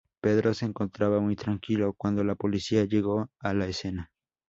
Pedro se encontraba muy tranquilo cuando la policía llegó a la escena.